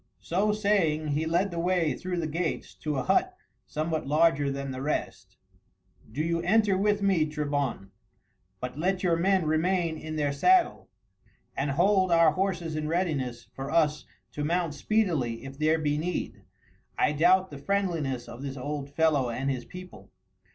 So saying he led the way through the gates to a hut somewhat larger than the rest. "Do you enter with me, Trebon, but let your men remain in their saddle, and hold our horses in readiness for us to mount speedily if there be need. I doubt the friendliness of this old fellow and his people."